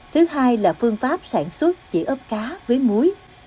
thứ hai là phương pháp sản xuất chỉ ướp cá với muối